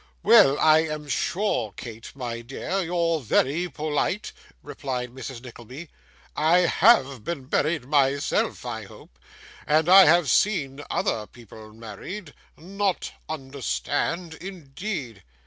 'Well I am sure, Kate, my dear, you're very polite!' replied Mrs Nickleby. 'I have been married myself I hope, and I have seen other people married. Not understand, indeed!